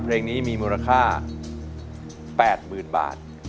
เพลงนี้มีมูลค่า๘๐๐๐บาท